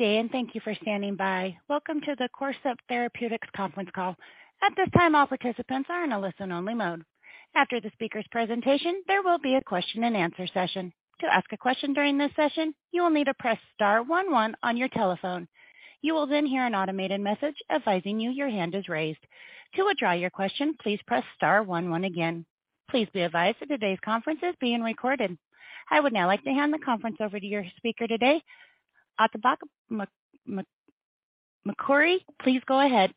Good day, and thank you for standing by. Welcome to the Corcept Therapeutics conference Call. At this time, all participants are in a listen-only mode. After the speaker's presentation, there will be a question-and-answer session. To ask a question during this session, you will need to press star one one on your telephone. You will then hear an automated message advising you your hand is raised. To withdraw your question, please press star one one again. Please be advised that today's conference is being recorded. I would now like to hand the conference over to your speaker today, Atabak Mokari. Please go ahead.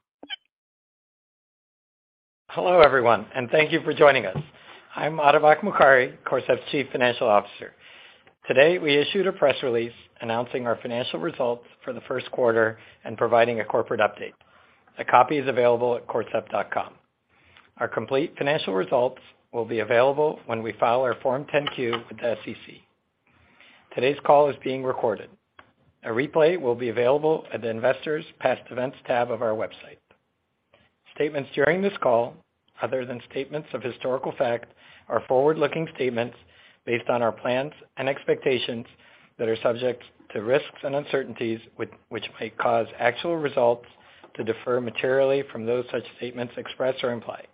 Hello, everyone, and thank you for joining us. I'm Atabak Mokari, Corcept's Chief Financial Officer. Today, we issued a press release announcing our financial results for the first quarter and providing a corporate update. A copy is available at corcept.com. Our complete financial results will be available when we file our Form 10-Q with the SEC. Today's call is being recorded. A replay will be available at the Investors Past Events tab of our website. Statements during this call, other than statements of historical fact, are forward-looking statements based on our plans and expectations that are subject to risks and uncertainties which might cause actual results to differ materially from those such statements expressed or implied.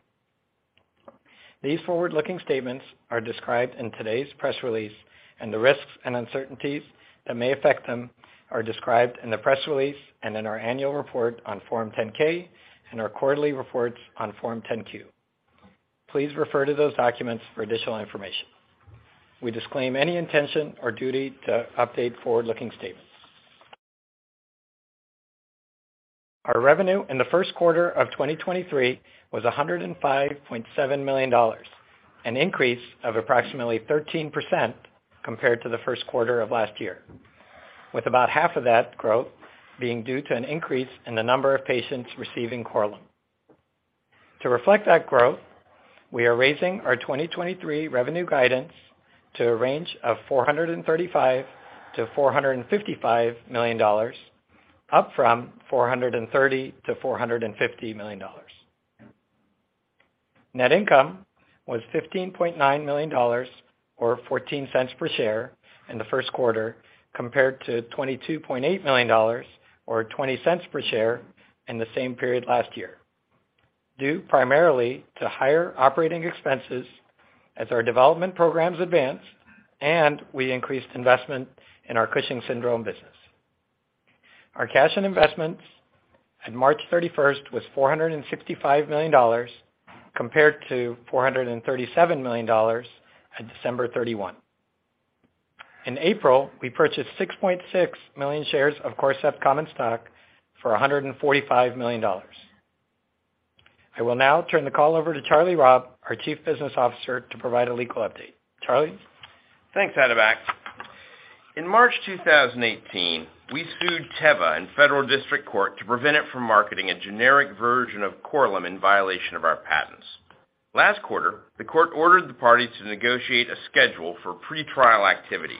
These forward-looking statements are described in today's press release, and the risks and uncertainties that may affect them are described in the press release and in our annual report on Form 10-K and our quarterly reports on Form 10-Q. Please refer to those documents for additional information. We disclaim any intention or duty to update forward-looking statements. Our revenue in the first quarter of 2023 was $105.7 million, an increase of approximately 13% compared to the first quarter of last year, with about half of that growth being due to an increase in the number of patients receiving Korlym. To reflect that growth, we are raising our 2023 revenue guidance to a range of $435 million-$455 million, up from $430 million-$450 million. Net income was $15.9 million or $0.14 per share in the first quarter, compared to $22.8 million or $0.20 per share in the same period last year, due primarily to higher operating expenses as our development programs advance, and we increased investment in our Cushing's syndrome business. Our cash and investments at March 31st was $465 million, compared to $437 million at December 31. In April, we purchased 6.6 million shares of Corcept common stock for $145 million. I will now turn the call over to Charlie Robb, our Chief Business Officer, to provide a legal update. Charlie? Thanks, Atabak. In March 2018, we sued Teva in Federal District Court to prevent it from marketing a generic version of Korlym in violation of our patents. Last quarter, the court ordered the parties to negotiate a schedule for pretrial activities.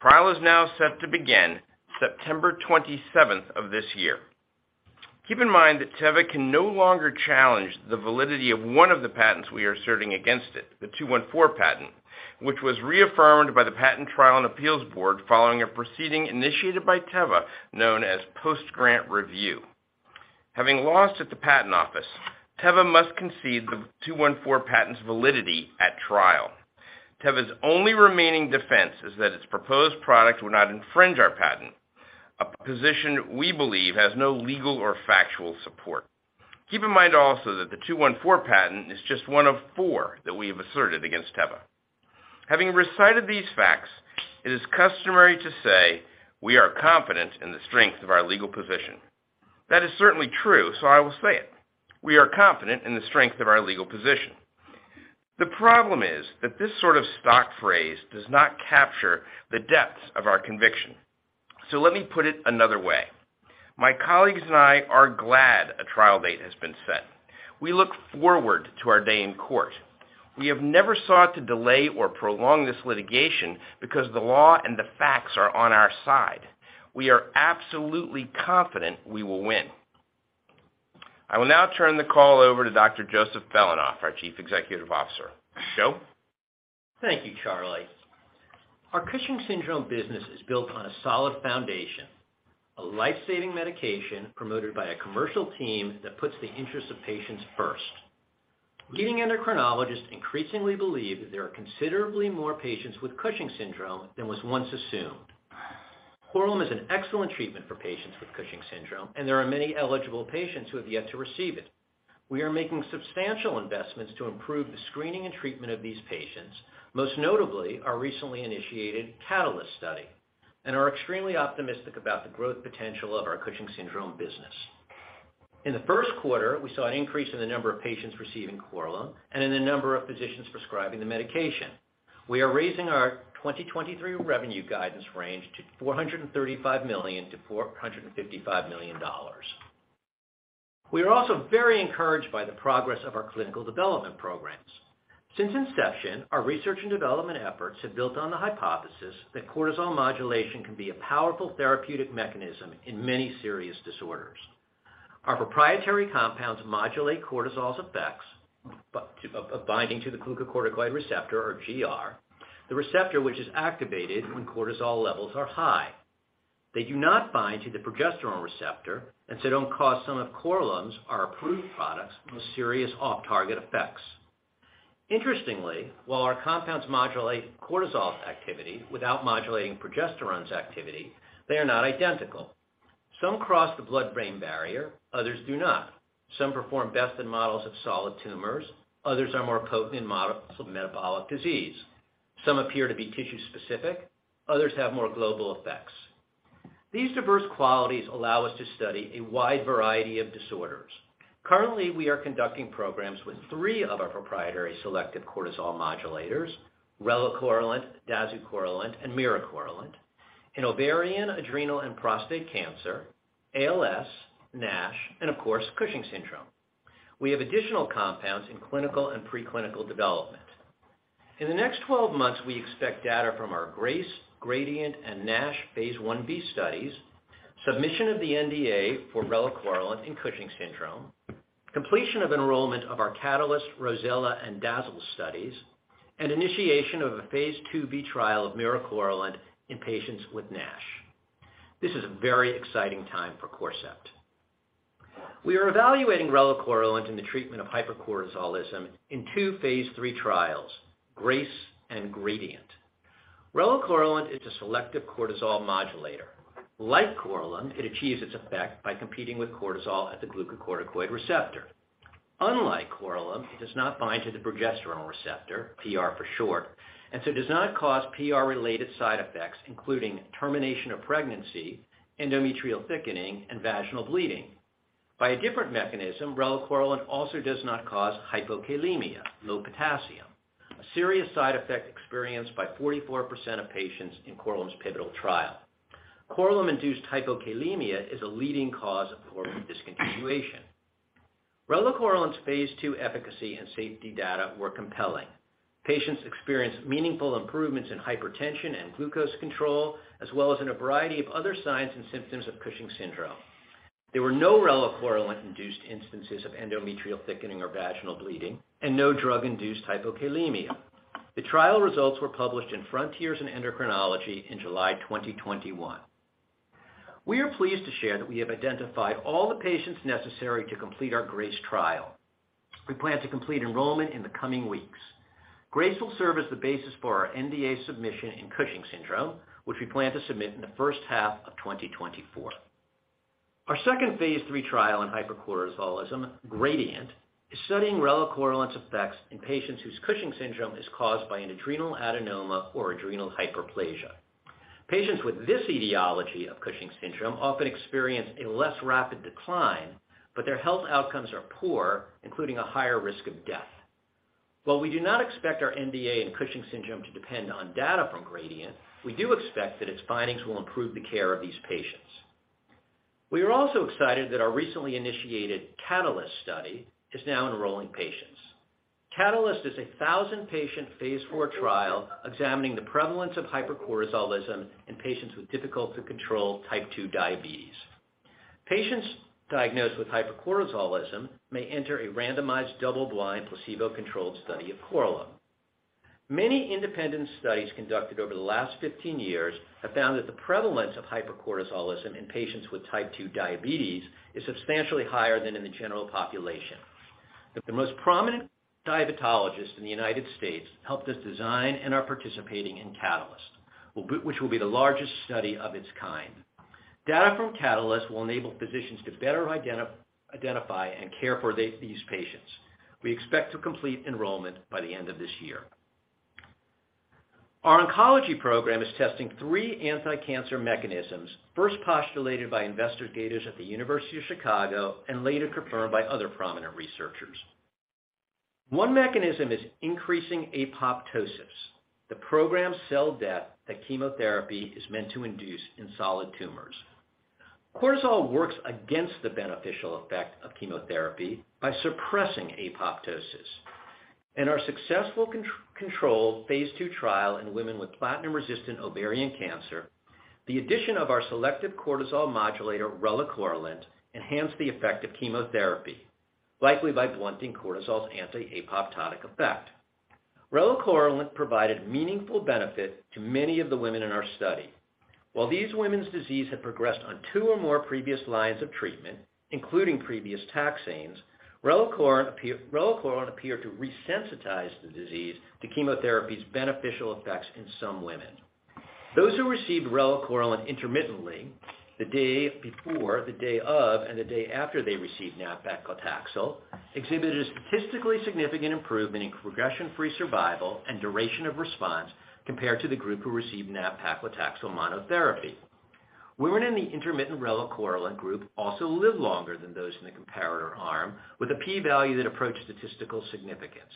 Trial is now set to begin September 27th of this year. Keep in mind that Teva can no longer challenge the validity of one of the patents we are asserting against it, the '214 patent, which was reaffirmed by the Patent Trial and Appeal Board following a proceeding initiated by Teva known as post-grant review. Having lost at the Patent Office, Teva must concede the '214 patent's validity at trial. Teva's only remaining defense is that its proposed product would not infringe our patent, a position we believe has no legal or factual support. Keep in mind also that the '214 patent is just one of four that we have asserted against Teva. Having recited these facts, it is customary to say we are confident in the strength of our legal position. That is certainly true, I will say it. We are confident in the strength of our legal position. The problem is that this sort of stock phrase does not capture the depth of our conviction. Let me put it another way. My colleagues and I are glad a trial date has been set. We look forward to our day in court. We have never sought to delay or prolong this litigation because the law and the facts are on our side. We are absolutely confident we will win. I will now turn the call over to Dr. Joseph K. Belanoff, our Chief Executive Officer. Joe? Thank you, Charlie. Our Cushing's syndrome business is built on a solid foundation, a life-saving medication promoted by a commercial team that puts the interests of patients first. Leading endocrinologists increasingly believe that there are considerably more patients with Cushing's syndrome than was once assumed. Korlym is an excellent treatment for patients with Cushing's syndrome, and there are many eligible patients who have yet to receive it. We are making substantial investments to improve the screening and treatment of these patients, most notably our recently initiated CATALYST study, and are extremely optimistic about the growth potential of our Cushing's syndrome business. In the first quarter, we saw an increase in the number of patients receiving Korlym and in the number of physicians prescribing the medication. We are raising our 2023 revenue guidance range to $435 million-$455 million. We are also very encouraged by the progress of our clinical development programs. Since inception, our research and development efforts have built on the hypothesis that cortisol modulation can be a powerful therapeutic mechanism in many serious disorders. Our proprietary compounds modulate cortisol's effects by binding to the glucocorticoid receptor or GR, the receptor which is activated when cortisol levels are high. They do not bind to the progesterone receptor and so don't cause some of Korlym's, our approved products, most serious off-target effects. Interestingly, while our compounds modulate cortisol's activity without modulating progesterone's activity, they are not identical. Some cross the blood-brain barrier, others do not. Some perform best in models of solid tumors, others are more potent in models of metabolic disease. Some appear to be tissue-specific, others have more global effects. These diverse qualities allow us to study a wide variety of disorders. Currently, we are conducting programs with three of our proprietary selective cortisol modulators, relacorilant, dazucorilant, and miricorilant in ovarian, adrenal, and prostate cancer, ALS, NASH, and of course, Cushing's syndrome. We have additional compounds in clinical and preclinical development. In the next 12 months, we expect data from our GRACE, GRADIENT, and NASH Phase Ib studies, submission of the NDA for relacorilant in Cushing's syndrome, completion of enrollment of our CATALYST, ROSELLA, and Dazzle studies, and initiation of a Phase IIb trial of miricorilant in patients with NASH. This is a very exciting time for Corcept. We are evaluating relacorilant in the treatment of hypercortisolism in two Phase III trials, GRACE and GRADIENT. Relacorilant is a selective cortisol modulator. Like Korlym, it achieves its effect by competing with cortisol at the glucocorticoid receptor. Unlike Korlym, it does not bind to the progesterone receptor, PR for short, and so does not cause PR-related side effects, including termination of pregnancy, endometrial thickening, and vaginal bleeding. By a different mechanism, relacorilant also does not cause hypokalemia, low potassium, a serious side effect experienced by 44% of patients in Korlym's pivotal trial. Korlym-induced hypokalemia is a leading cause of Korlym discontinuation. Relacorilant's Phase II efficacy and safety data were compelling. Patients experienced meaningful improvements in hypertension and glucose control, as well as in a variety of other signs and symptoms of Cushing's syndrome. There were no relacorilant-induced instances of endometrial thickening or vaginal bleeding and no drug-induced hypokalemia. The trial results were published in Frontiers in Endocrinology in July 2021. We are pleased to share that we have identified all the patients necessary to complete our GRACE trial. We plan to complete enrollment in the coming weeks. GRACE will serve as the basis for our NDA submission in Cushing's syndrome, which we plan to submit in the first half of 2024. Our second Phase III trial in hypercortisolism, GRADIENT, is studying relacorilant's effects in patients whose Cushing's syndrome is caused by an adrenal adenoma or adrenal hyperplasia. Patients with this etiology of Cushing's syndrome often experience a less rapid decline, but their health outcomes are poor, including a higher risk of death. While we do not expect our NDA in Cushing's syndrome to depend on data from GRADIENT, we do expect that its findings will improve the care of these patients. We are also excited that our recently initiated CATALYST study is now enrolling patients. CATALYST is a 1,000-patient Phase IV trial examining the prevalence of hypercortisolism in patients with difficult-to-control type 2 diabetes. Patients diagnosed with hypercortisolism may enter a randomized double-blind placebo-controlled study of Korlym. Many independent studies conducted over the last 15 years have found that the prevalence of hypercortisolism in patients with Type 2 diabetes is substantially higher than in the general population. The most prominent diabetologists in the United States helped us design and are participating in CATALYST, which will be the largest study of its kind. Data from CATALYST will enable physicians to better identify and care for these patients. We expect to complete enrollment by the end of this year. Our oncology program is testing three anti-cancer mechanisms first postulated by investigators at the University of Chicago and later confirmed by other prominent researchers. One mechanism is increasing apoptosis, the programmed cell death that chemotherapy is meant to induce in solid tumors. Cortisol works against the beneficial effect of chemotherapy by suppressing apoptosis. In our successful controlled Phase II trial in women with platinum-resistant ovarian cancer, the addition of our selective cortisol modulator, relacorilant, enhanced the effect of chemotherapy, likely by blunting cortisol's anti-apoptotic effect. Relacorilant provided meaningful benefit to many of the women in our study. While these women's disease had progressed on two or more previous lines of treatment, including previous taxanes, relacorilant appeared to resensitize the disease to chemotherapy's beneficial effects in some women. Those who received relacorilant intermittently, the day before, the day of, and the day after they received nab-paclitaxel, exhibited a statistically significant improvement in progression-free survival and duration of response compared to the group who received nab-paclitaxel monotherapy. Women in the intermittent relacorilant group also lived longer than those in the comparator arm with a P value that approached statistical significance.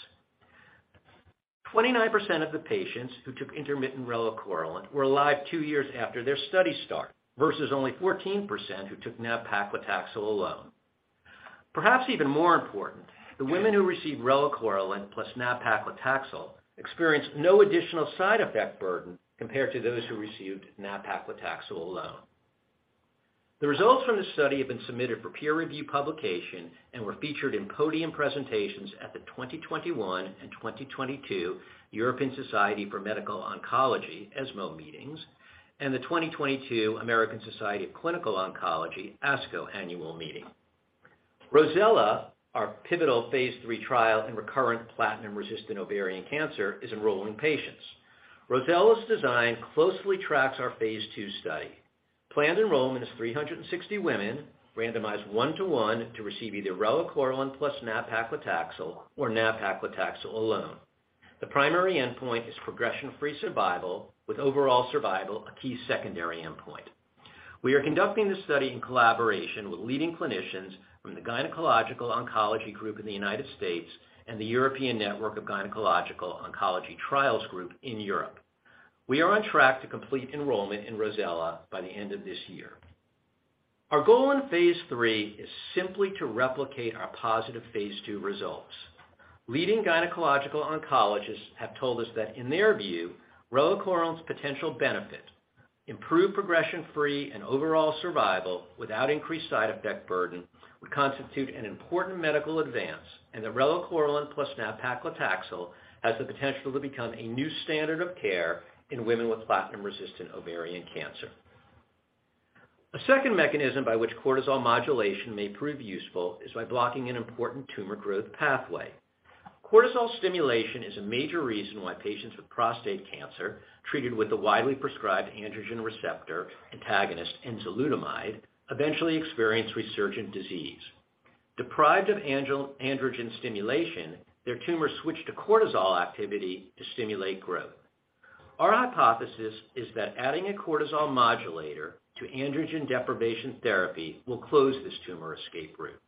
29% of the patients who took intermittent relacorilant were alive 2 years after their study start versus only 14% who took nab-paclitaxel alone. Perhaps even more important, the women who received relacorilant plus nab-paclitaxel experienced no additional side effect burden compared to those who received nab-paclitaxel alone. The results from this study have been submitted for peer review publication and were featured in podium presentations at the 2021 and 2022 European Society for Medical Oncology ESMO meetings and the 2022 American Society of Clinical Oncology ASCO annual meeting. ROSELLA, our pivotal Phase III trial in recurrent platinum-resistant ovarian cancer, is enrolling patients. ROSELLA's design closely tracks our Phase II study. Planned enrollment is 360 women randomized 1-to-1 to receive either relacorilant plus nab-paclitaxel or nab-paclitaxel alone. The primary endpoint is progression-free survival, with overall survival a key secondary endpoint. We are conducting this study in collaboration with leading clinicians from the Gynecologic Oncology Group in the United States and the European Network of Gynaecological Oncological Trial Groups in Europe. We are on track to complete enrollment in ROSELLA by the end of this year. Our goal in Phase III is simply to replicate our positive Phase II results. Leading gynecological oncologists have told us that in their view, relacorilant's potential benefit, improved progression-free and overall survival without increased side effect burden, would constitute an important medical advance, and the relacorilant plus nab-paclitaxel has the potential to become a new standard of care in women with platinum-resistant ovarian cancer. A second mechanism by which cortisol modulation may prove useful is by blocking an important tumor growth pathway. Cortisol stimulation is a major reason why patients with prostate cancer treated with the widely prescribed androgen receptor antagonist enzalutamide eventually experience resurgent disease. Deprived of androgen stimulation, their tumors switch to cortisol activity to stimulate growth. Our hypothesis is that adding a cortisol modulator to androgen deprivation therapy will close this tumor escape route.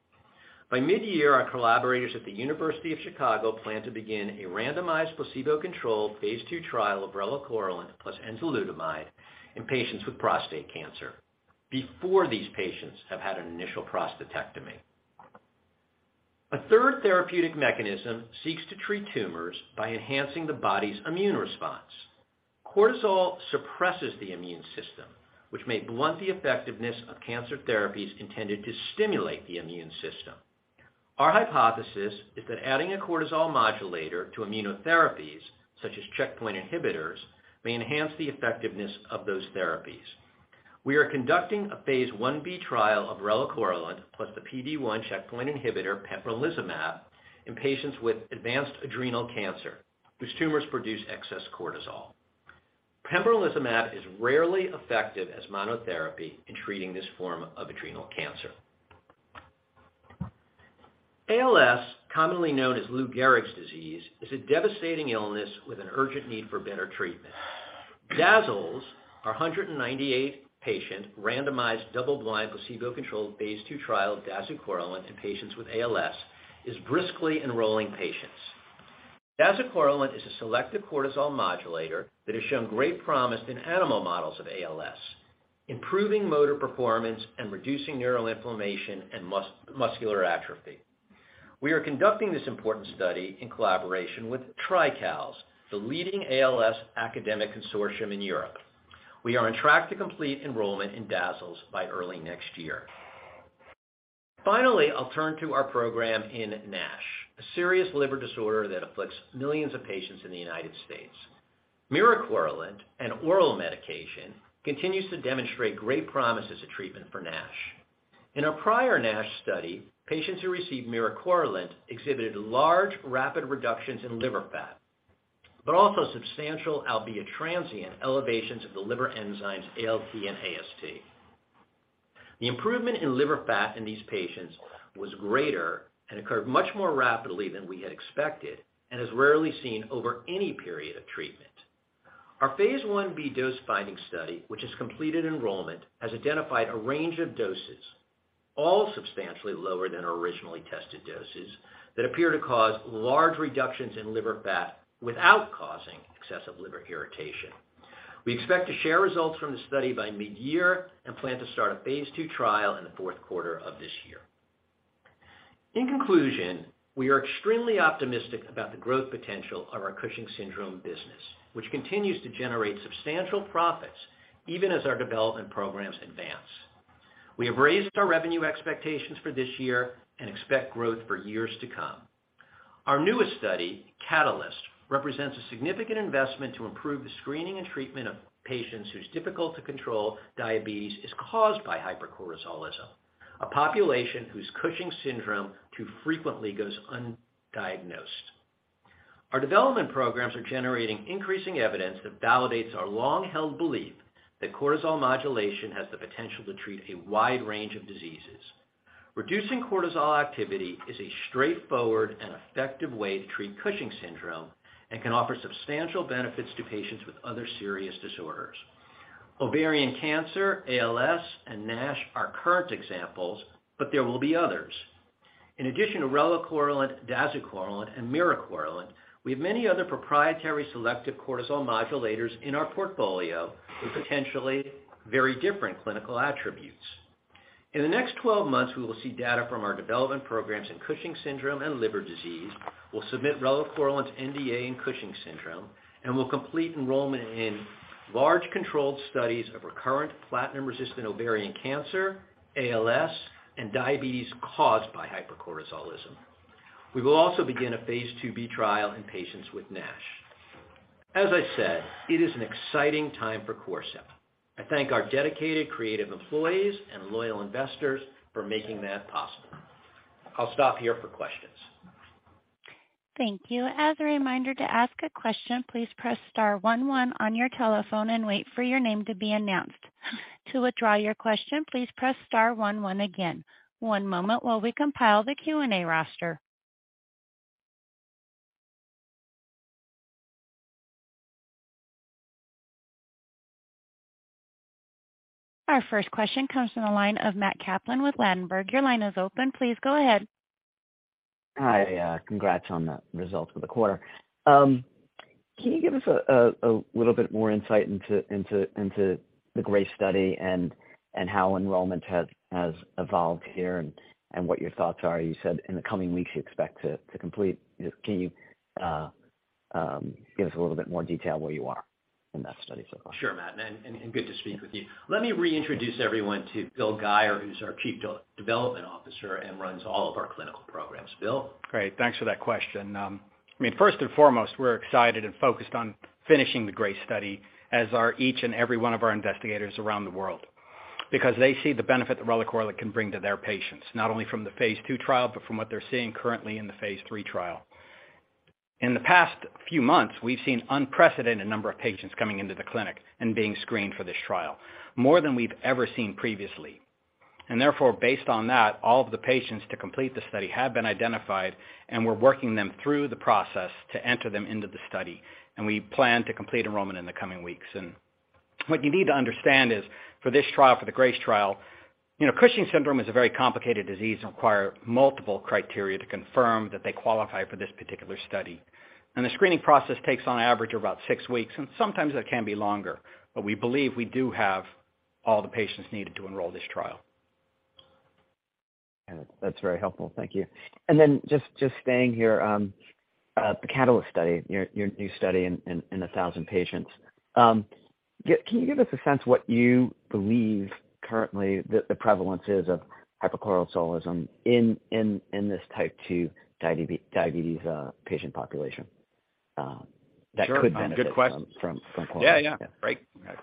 By mid-year, our collaborators at the University of Chicago plan to begin a randomized placebo-controlled Phase II trial of relacorilant plus enzalutamide in patients with prostate cancer before these patients have had an initial prostatectomy. A third therapeutic mechanism seeks to treat tumors by enhancing the body's immune response. Cortisol suppresses the immune system, which may blunt the effectiveness of cancer therapies intended to stimulate the immune system. Our hypothesis is that adding a cortisol modulator to immunotherapies, such as checkpoint inhibitors, may enhance the effectiveness of those therapies. We are conducting a Phase Ib trial of relacorilant plus the PD-1 checkpoint inhibitor pembrolizumab in patients with advanced adrenal cancer, whose tumors produce excess cortisol. Pembrolizumab is rarely effective as monotherapy in treating this form of adrenal cancer. ALS, commonly known as Lou Gehrig's disease, is a devastating illness with an urgent need for better treatment. DAZALS, our 198 patient randomized double-blind placebo-controlled Phase II trial of dazucorilant in patients with ALS, is briskly enrolling patients. Dazucorilant is a selective cortisol modulator that has shown great promise in animal models of ALS, improving motor performance and reducing neural inflammation and muscular atrophy. We are conducting this important study in collaboration with TRICALS, the leading ALS academic consortium in Europe. We are on track to complete enrollment in DAZALS by early next year. I'll turn to our program in NASH, a serious liver disorder that afflicts millions of patients in the United States. Miricorilant, an oral medication, continues to demonstrate great promise as a treatment for NASH. In our prior NASH study, patients who received miricorilant exhibited large, rapid reductions in liver fat, but also substantial albeit transient elevations of the liver enzymes ALT and AST. The improvement in liver fat in these patients was greater and occurred much more rapidly than we had expected and is rarely seen over any period of treatment. Our phase IB dose-finding study, which has completed enrollment, has identified a range of doses, all substantially lower than our originally tested doses, that appear to cause large reductions in liver fat without causing excessive liver irritation. We expect to share results from the study by mid-year and plan to start a Phase II trial in the fourth quarter of this year. In conclusion, we are extremely optimistic about the growth potential of our Cushing's syndrome business, which continues to generate substantial profits even as our development programs advance. We have raised our revenue expectations for this year and expect growth for years to come. Our newest study, CATALYST, represents a significant investment to improve the screening and treatment of patients whose difficult-to-control diabetes is caused by hypercortisolism, a population whose Cushing's syndrome too frequently goes undiagnosed. Our development programs are generating increasing evidence that validates our long-held belief that cortisol modulation has the potential to treat a wide range of diseases. Reducing cortisol activity is a straightforward and effective way to treat Cushing's syndrome and can offer substantial benefits to patients with other serious disorders. Ovarian cancer, ALS, and NASH are current examples, but there will be others. In addition to relacorilant, dazucorilant, and miricorilant, we have many other proprietary selective cortisol modulators in our portfolio with potentially very different clinical attributes. In the next 12 months, we will see data from our development programs in Cushing's syndrome and liver disease. We'll submit relacorilant's NDA in Cushing's syndrome, and we'll complete enrollment in large controlled studies of recurrent platinum-resistant ovarian cancer, ALS, and diabetes caused by hypercortisolism. We will also begin a Phase IIB trial in patients with NASH. As I said, it is an exciting time for Corcept. I thank our dedicated, creative employees and loyal investors for making that possible. I'll stop here for questions. Thank you. As a reminder to ask a question, please press star one one on your telephone and wait for your name to be announced. To withdraw your question, please press star one one again. One moment while we compile the Q&A roster. Our first question comes from the line of Matt Kaplan with Ladenburg. Your line is open. Please go ahead. Hi. Congrats on the results for the quarter. Can you give us a little bit more insight into the GRACE study and how enrollment has evolved here and what your thoughts are? You said in the coming weeks you expect to complete. Just can you give us a little bit more detail where you are in that study so far? Sure, Matt, good to speak with you. Let me reintroduce everyone to Bill Guyer, who's our Chief Development Officer and runs all of our clinical programs. Bill? Great. Thanks for that question. I mean, first and foremost, we're excited and focused on finishing the GRACE study as are each and every one of our investigators around the world. They see the benefit that relacorilant can bring to their patients, not only from the Phase II trial, but from what they're seeing currently in the Phase III trial. In the past few months, we've seen unprecedented number of patients coming into the clinic and being screened for this trial, more than we've ever seen previously. Based on that, all of the patients to complete the study have been identified, and we're working them through the process to enter them into the study, and we plan to complete enrollment in the coming weeks. What you need to understand is for this trial, for the GRACE trial, you know, Cushing's syndrome is a very complicated disease and require multiple criteria to confirm that they qualify for this particular study. The screening process takes on average about six weeks, and sometimes it can be longer. We believe we do have all the patients needed to enroll this trial. That's very helpful. Thank you. Just staying here, the CATALYST study, your new study in 1,000 patients. Can you give us a sense what you believe currently the prevalence is of hypercortisolism in this type 2 diabetes patient population that could benefit? Sure. Good question. from Korlym? Yeah, yeah. Great,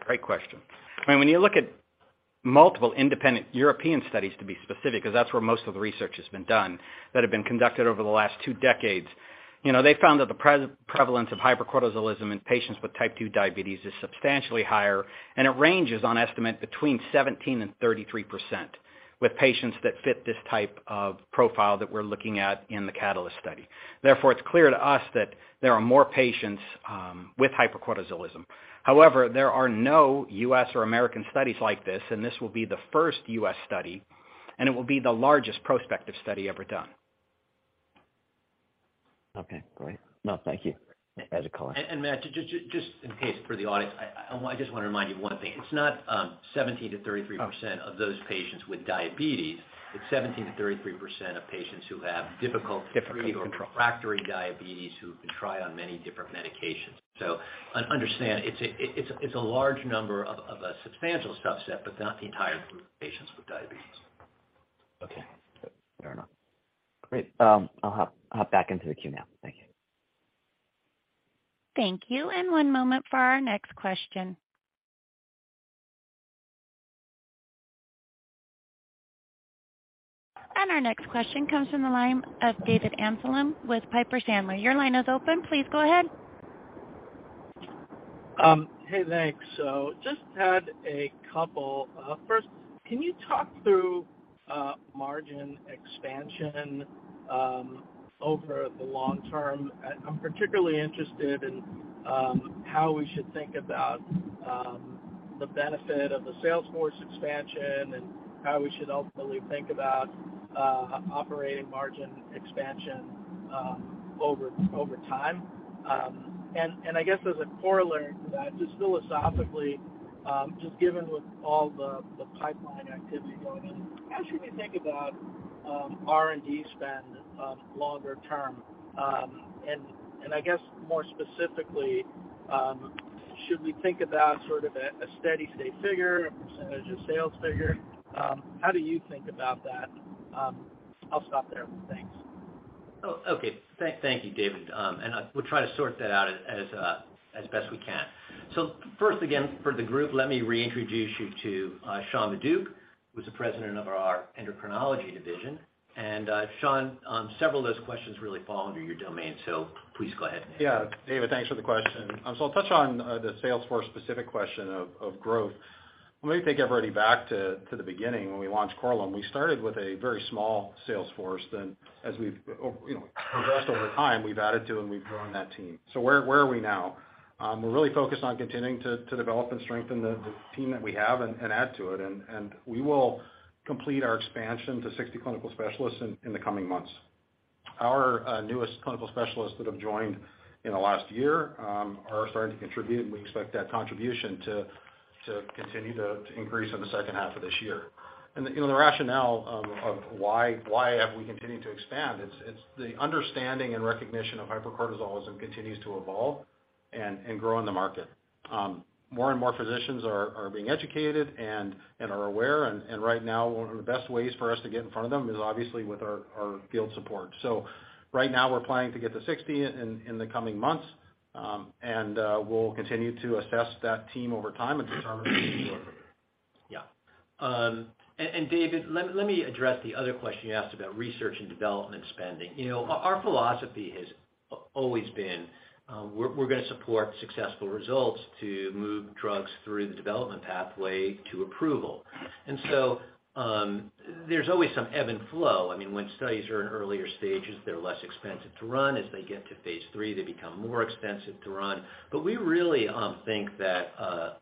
great question. I mean, when you look at multiple independent European studies to be specific, 'cause that's where most of the research has been done that have been conducted over the last two decades. You know, they found that the pre-prevalence of hypercortisolism in patients with type 2 diabetes is substantially higher, and it ranges on estimate between 17% and 33% with patients that fit this type of profile that we're looking at in the CATALYST study. Therefore, it's clear to us that there are more patients with hypercortisolism. However, there are no U.S. or American studies like this, and this will be the first U.S. study, and it will be the largest prospective study ever done. Okay, great. No, thank you for a color. Matt, just in case for the audience, I just wanna remind you of one thing. It's not 17%-33% of those patients with diabetes, it's 17%-33% of patients who have difficult to treat. Difficulty to control Or refractory diabetes who've been tried on many different medications. Understand it's a large number of a substantial subset, but not the entire group of patients with diabetes. Okay. Fair enough. Great. I'll hop back into the queue now. Thank you. Thank you. one moment for our next question. Our next question comes from the line of David Amsellem with Piper Sandler. Your line is open. Please go ahead. Hey, thanks. Just had a couple. First, can you talk through margin expansion over the long term? I'm particularly interested in how we should think about the benefit of the sales force expansion and how we should ultimately think about operating margin expansion over time. I guess as a corollary to that, just philosophically, just given with all the pipeline activity going on, how should we think about R&D spend longer term? I guess more specifically, should we think about sort of a steady state figure, a percentage of sales figure? How do you think about that? I'll stop there. Thanks. Okay. Thank you, David. We'll try to sort that out as best we can. First again, for the group, let me reintroduce you to Sean Maduck, who's the President of our endocrinology division. Sean, several of those questions really fall under your domain, so please go ahead. Yeah. David, thanks for the question. I'll touch on the sales force specific question of growth. Let me take everybody back to the beginning when we launched Korlym. We started with a very small sales force. As we've, you know, progressed over time, we've added to and we've grown that team. Where are we now? We're really focused on continuing to develop and strengthen the team that we have and add to it. We will complete our expansion to 60 clinical specialists in the coming months. Our newest clinical specialists that have joined in the last year are starting to contribute, and we expect that contribution to continue to increase in the second half of this year. The, you know, the rationale of why have we continued to expand, it's the understanding and recognition of hypercortisolism continues to evolve and grow in the market. More and more physicians are being educated and are aware. Right now, one of the best ways for us to get in front of them is obviously with our field support. Right now, we're planning to get to 60 in the coming months, and we'll continue to assess that team over time and determine. Yeah. David, let me address the other question you asked about research and development spending. You know, our philosophy has always been, we're gonna support successful results to move drugs through the development pathway to approval. There's always some ebb and flow. I mean, when studies are in earlier stages, they're less expensive to run. As they get to Phase III, they become more expensive to run. We really think that,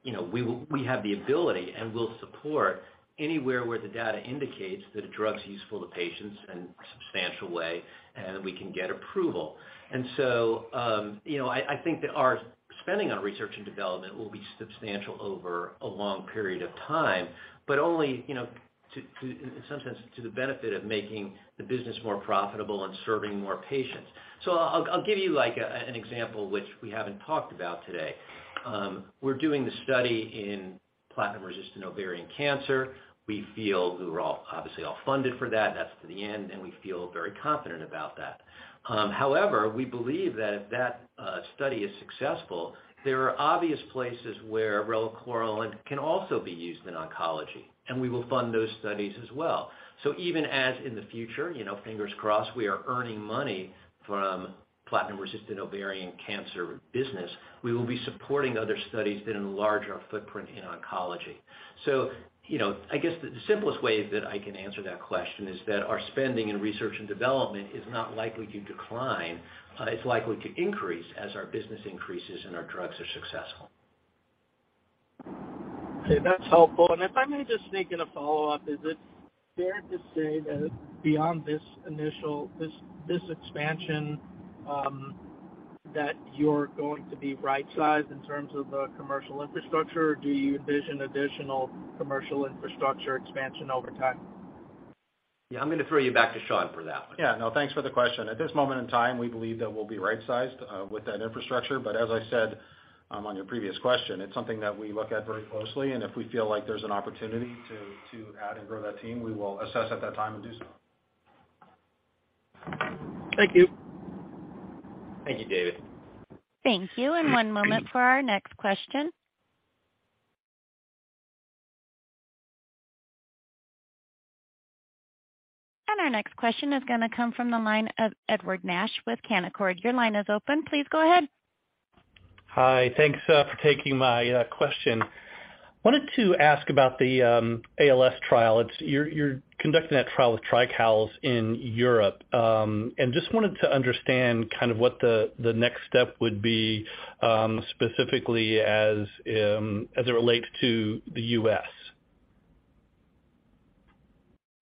you know, we have the ability and will support anywhere where the data indicates that a drug's useful to patients in a substantial way, and that we can get approval. you know, I think that our spending on research and development will be substantial over a long period of time, but only, you know, to in some sense, to the benefit of making the business more profitable and serving more patients. I'll give you like a, an example which we haven't talked about today. We're doing the study in platinum-resistant ovarian cancer. We feel we're obviously all funded for that's to the end, and we feel very confident about that. However, we believe that if that study is successful, there are obvious places where relacorilant can also be used in oncology, and we will fund those studies as well. Even as in the future, you know, fingers crossed, we are earning money from platinum-resistant ovarian cancer business, we will be supporting other studies that enlarge our footprint in oncology. You know, I guess the simplest way that I can answer that question is that our spending in research and development is not likely to decline. It's likely to increase as our business increases and our drugs are successful. Okay, that's helpful. If I may just sneak in a follow-up, is it fair to say that beyond this initial expansion, that you're going to be right-sized in terms of the commercial infrastructure, or do you envision additional commercial infrastructure expansion over time? Yeah. I'm gonna throw you back to Sean for that one. Yeah. No, thanks for the question. At this moment in time, we believe that we'll be right sized with that infrastructure. As I said, on your previous question, it's something that we look at very closely, and if we feel like there's an opportunity to add and grow that team, we will assess at that time and do so. Thank you. Thank you, David. Thank you. One moment for our next question. Our next question is gonna come from the line of Edward Nash with Canaccord. Your line is open. Please go ahead. Hi. Thanks for taking my question. Wanted to ask about the ALS trial. You're conducting that trial with TRICALS in Europe. Just wanted to understand kind of what the next step would be specifically as it relates to the U.S.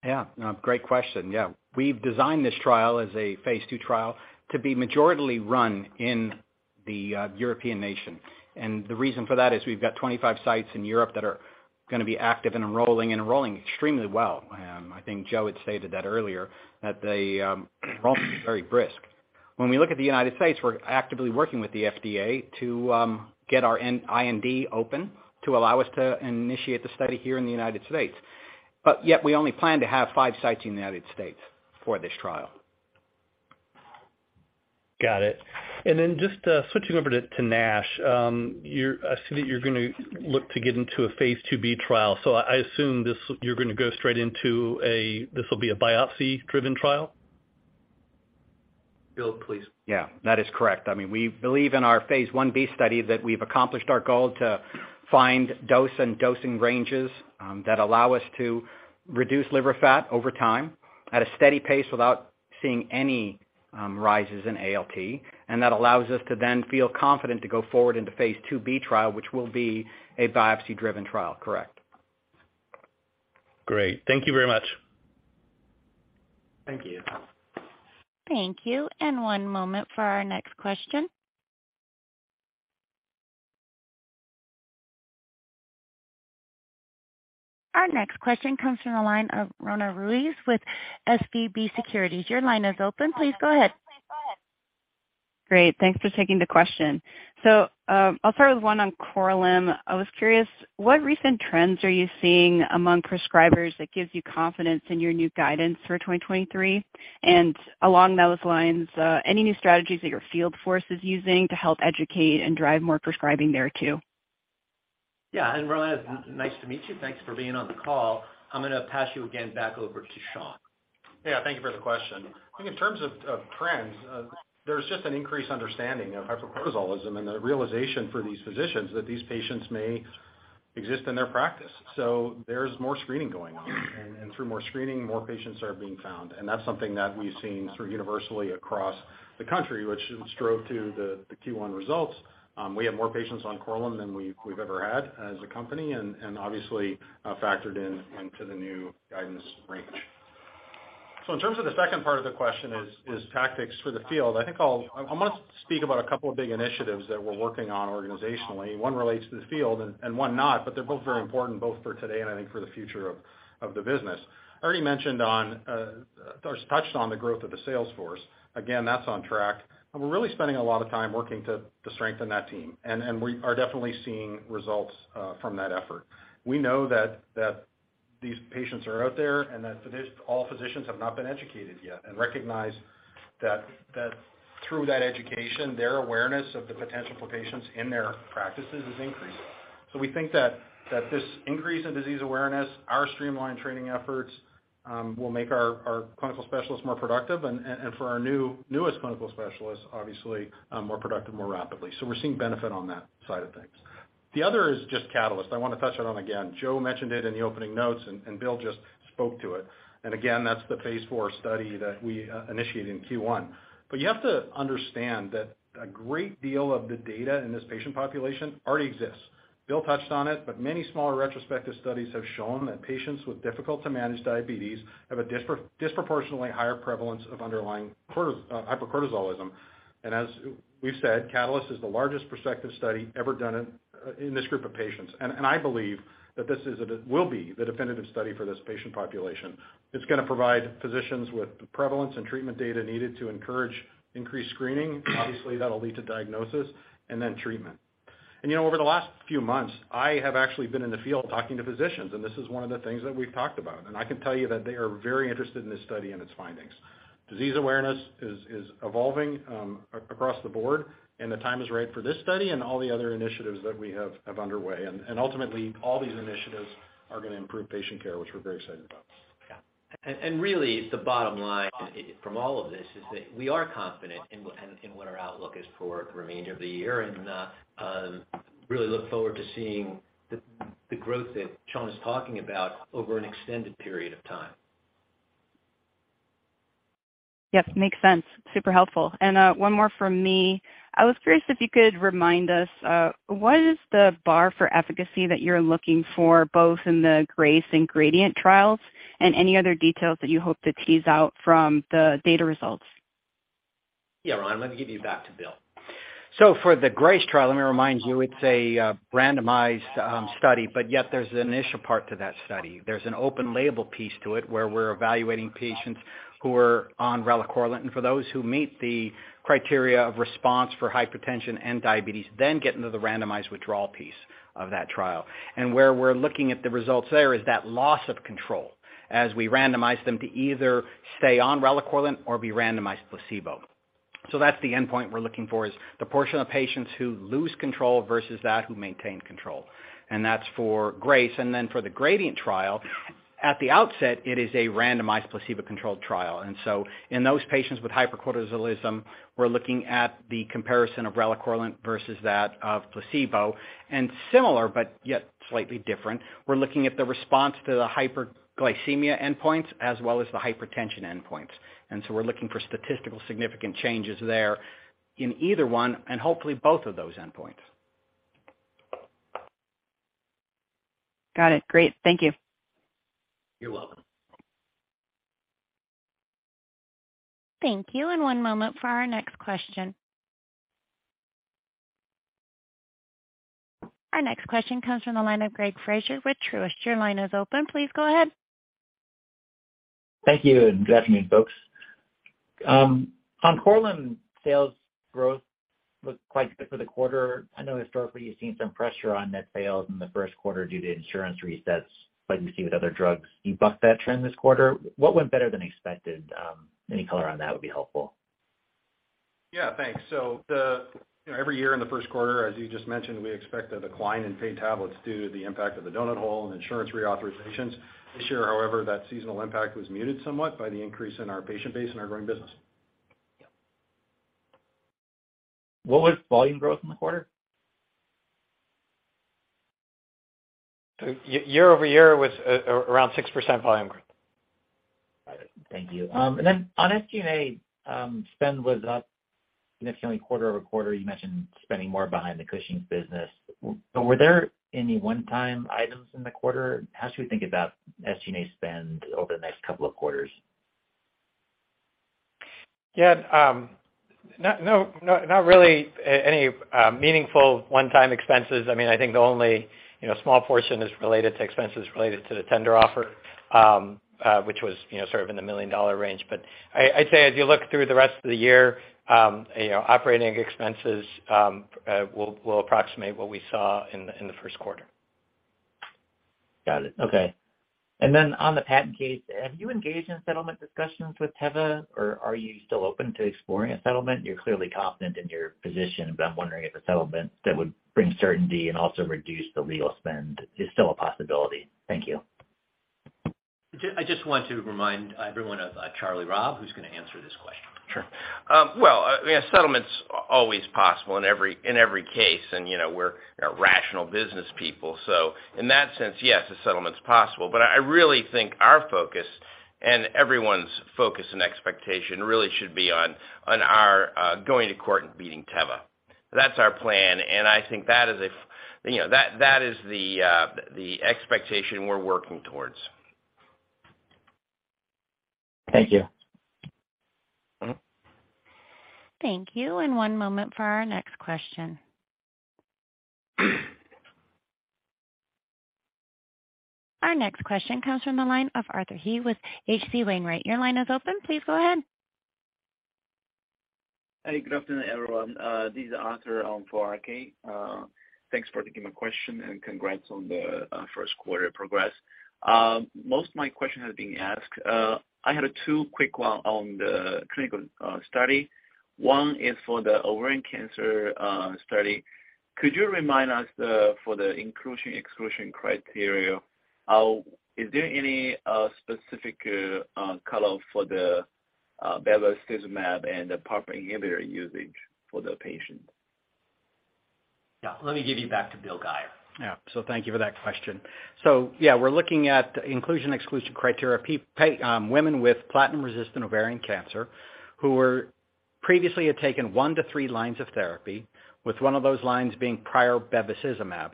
Yeah. No, great question. Yeah. We've designed this trial as a Phase II trial to be majorly run in the European nation. The reason for that is we've got 25 sites in Europe that are gonna be active in enrolling and enrolling extremely well. I think Joe had stated that earlier, that the enrollment is very brisk. When we look at the United States, we're actively working with the FDA to get our IND open to allow us to initiate the study here in the United States. We only plan to have five sites in the United States for this trial. Got it. Just switching over to NASH. I see that you're gonna look to get into a Phase IIb trial. I assume this, you're gonna go straight into a, this will be a biopsy-driven trial. Bill, please. Yeah, that is correct. I mean, we believe in our Phase IB study that we've accomplished our goal to find dose and dosing ranges, that allow us to reduce liver fat over time at a steady pace without seeing any, rises in ALT. That allows us to then feel confident to go forward into Phase IIB trial, which will be a biopsy-driven trial. Correct. Great. Thank you very much. Thank you. Thank you. One moment for our next question. Our next question comes from the line of Roanna Ruiz with SVB Securities. Your line is open. Please go ahead. Great. Thanks for taking the question. I'll start with one on Korlym. I was curious, what recent trends are you seeing among prescribers that gives you confidence in your new guidance for 2023? Along those lines, any new strategies that your field force is using to help educate and drive more prescribing there too? Yeah. Roanna, nice to meet you. Thanks for being on the call. I'm gonna pass you again back over to Sean. Yeah, thank you for the question. I think in terms of trends, there's just an increased understanding of hypercortisolism and the realization for these physicians that these patients may exist in their practice. There's more screening going on. Through more screening, more patients are being found. That's something that we've seen sort of universally across the country, which drove to the Q1 results. We have more patients on Korlym than we've ever had as a company and obviously, factored in into the new guidance range. In terms of the second part of the question is tactics for the field. I think I'll must speak about a couple of big initiatives that we're working on organizationally. One relates to the field and one not, but they're both very important both for today and I think for the future of the business. I already mentioned on, touched on the growth of the sales force. Again, that's on track. We're really spending a lot of time working to strengthen that team, and we are definitely seeing results from that effort. We know that these patients are out there and that all physicians have not been educated yet and recognize that through that education, their awareness of the potential for patients in their practices is increased. We think that this increase in disease awareness, our streamlined training efforts, will make our clinical specialists more productive and for our newest clinical specialists, obviously, more productive more rapidly. We're seeing benefit on that side of things. The other is just CATALYST. I wanna touch it on again. Joseph mentioned it in the opening notes, and Bill Guyer just spoke to it. Again, that's the Phase IV study that we initiate in Q1. You have to understand that a great deal of the data in this patient population already exists. Bill Guyer touched on it, but many smaller retrospective studies have shown that patients with difficult to manage diabetes have a disproportionately higher prevalence of underlying hypercortisolism. As we've said, CATALYST is the largest prospective study ever done in this group of patients. I believe that this is it. It will be the definitive study for this patient population. It's gonna provide physicians with the prevalence and treatment data needed to encourage increased screening. Obviously, that'll lead to diagnosis and then treatment. You know, over the last few months, I have actually been in the field talking to physicians, and this is one of the things that we've talked about. I can tell you that they are very interested in this study and its findings. Disease awareness is evolving across the board, and the time is right for this study and all the other initiatives that we have underway. Ultimately, all these initiatives are gonna improve patient care, which we're very excited about. Yeah. Really the bottom line from all of this is that we are confident in what our outlook is for the remainder of the year and really look forward to seeing the growth that Sean is talking about over an extended period of time. Yes, makes sense. Super helpful. One more from me. I was curious if you could remind us, what is the bar for efficacy that you're looking for, both in the GRACE and GRADIENT trials, and any other details that you hope to tease out from the data results? Yeah, Roanna, let me give you back to Bill. For the GRACE trial, let me remind you, it's a randomized study, but yet there's an initial part to that study. There's an open label piece to it where we're evaluating patients who are on relacorilant, and for those who meet the criteria of response for hypertension and diabetes, then get into the randomized withdrawal piece of that trial. Where we're looking at the results there is that loss of control as we randomize them to either stay on relacorilant or be randomized placebo. That's the endpoint we're looking for is the portion of patients who lose control versus that who maintain control. That's for GRACE. For the GRADIENT trial, at the outset, it is a randomized placebo-controlled trial. In those patients with hypercortisolism, we're looking at the comparison of relacorilant versus that of placebo. Similar but yet slightly different, we're looking at the response to the hyperglycemia endpoints as well as the hypertension endpoints. We're looking for statistical significant changes there in either one and hopefully both of those endpoints. Got it. Great. Thank you. You're welcome. Thank you. One moment for our next question. Our next question comes from the line of Greg Fraser with Truist. Your line is open. Please go ahead. Thank you. Good afternoon, folks. On Korlym, sales growth looked quite good for the quarter. I know historically you've seen some pressure on net sales in the first quarter due to insurance resets like you see with other drugs. You bucked that trend this quarter. What went better than expected? Any color on that would be helpful. Yeah, thanks. The, you know, every year in the first quarter, as you just mentioned, we expect a decline in paid tablets due to the impact of the donut hole and insurance reauthorizations. This year, however, that seasonal impact was muted somewhat by the increase in our patient base and our growing business. Yeah. What was volume growth in the quarter? Year-over-year was, around 6% volume growth. Got it. Thank you. On SG&A, spend was up significantly quarter-over-quarter. You mentioned spending more behind the Cushing's business. Were there any one-time items in the quarter? How should we think about SG&A spend over the next couple of quarters? Yeah. No, not really any meaningful one-time expenses. I mean, I think the only, you know, small portion is related to expenses related to the tender offer, which was, you know, sort of in the $1 million range. I'd say as you look through the rest of the year, you know, operating expenses, will approximate what we saw in the first quarter. Got it. Okay. On the patent case, have you engaged in settlement discussions with Teva, or are you still open to exploring a settlement? You're clearly confident in your position, but I'm wondering if a settlement that would bring certainty and also reduce the legal spend is still a possibility. Thank you. I just want to remind everyone of Charlie Robb, who's gonna answer this question. Sure. you know, settlement's always possible in every, in every case, and, you know, we're, you know, rational business people. In that sense, yes, a settlement's possible. I really think our focus and everyone's focus and expectation really should be on our going to court and beating Teva. That's our plan. I think that is a you know, that is the expectation we're working towards. Thank you. Thank you. One moment for our next question. Our next question comes from the line of Arthur He with H.C. Wainwright. Your line is open. Please go ahead. Hey, good afternoon, everyone. This is Arthur, for RK. Congrats on the first quarter progress. Most of my questions have been asked. I had 2 quick one on the clinical study. One is for the ovarian cancer study. Could you remind us the, for the inclusion/exclusion criteria, is there any specific color for the bevacizumab and the PARP inhibitor usage for the patient? Yeah. Let me give you back to Bill Guyer. Thank you for that question. Yeah, we're looking at inclusion/exclusion criteria. women with platinum-resistant ovarian cancer who were previously had taken 1-3 lines of therapy, with 1 of those lines being prior bevacizumab.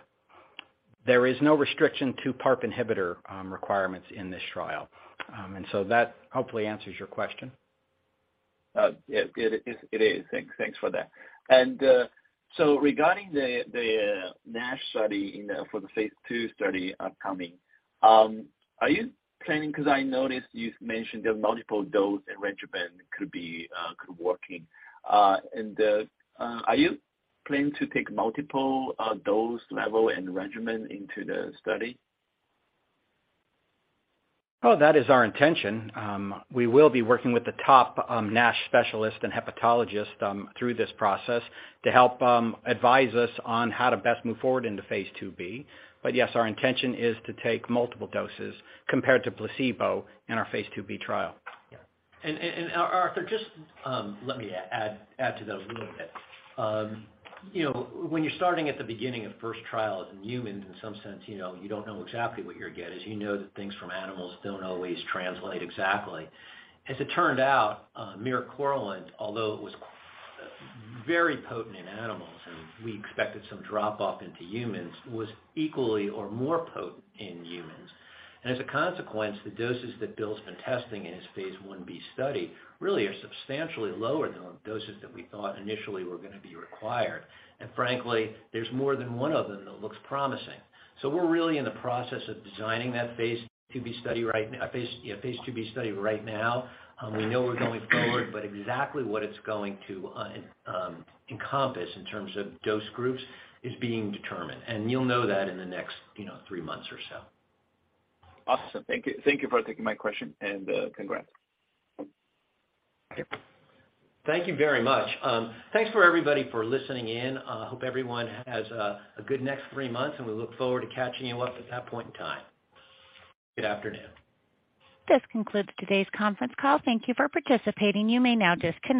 There is no restriction to PARP inhibitor requirements in this trial. That hopefully answers your question. Yeah, it is. It is. Thanks for that. Regarding the NASH study, you know, for the Phase II study upcoming, are you planning? 'Cause I noticed you've mentioned there are multiple dose and regimen could be working. Are you planning to take multiple dose level and regimen into the study? Oh, that is our intention. We will be working with the top NASH specialist and hepatologist through this process to help advise us on how to best move forward into Phase IIb. Yes, our intention is to take multiple doses compared to placebo in our Phase IIb trial. Yeah. Arthur, just, let me add to that a little bit. You know, when you're starting at the beginning of first trials in humans, in some sense, you know, you don't know exactly what you're gonna get. As you know that things from animals don't always translate exactly. As it turned out, miricorilant, although it was very potent in animals and we expected some drop-off into humans, was equally or more potent in humans. As a consequence, the doses that Bill's been testing in his Phase IB study really are substantially lower than the doses that we thought initially were gonna be required. Frankly, there's more than one of them that looks promising. We're really in the process of designing that Phase IIB study right now. We know we're going forward, but exactly what it's going to encompass in terms of dose groups is being determined. You'll know that in the next, you know, three months or so. Awesome. Thank you. Thank you for taking my question and, congrats Thank you very much. Thanks for everybody for listening in. Hope everyone has a good next 3 months, and we look forward to catching you up at that point in time. Good afternoon. This concludes today's conference call. Thank you for participating. You may now disconnect.